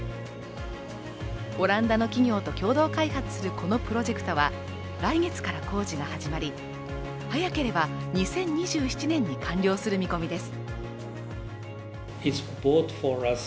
オランダの企業と共同開発するこのプロジェクトは、来月から工事が始まり、早ければ２０２７年に完了する見込みです。